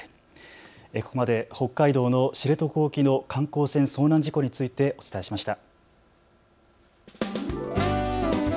ここまで北海道の知床沖の観光船遭難事故についてお伝えしました。